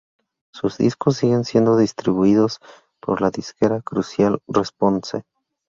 Sus discos siguen siendo distribuidos por la disquera Crucial Response.